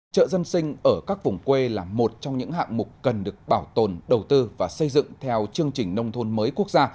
trợ dân sinh ở các vùng quê là một trong những hạng mục cần được bảo tồn đầu tư và xây dựng theo chương trình nông thôn mới quốc gia